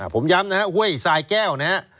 ผมย้ำนะฮะห้วยสายแก้วนะฮะ